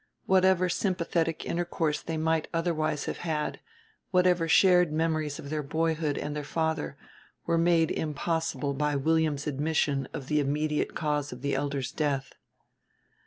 Whatever sympathetic intercourse they might otherwise have had, whatever shared memories of their boyhood and their father, were made impossible by William's admission of the immediate cause of the elder's death.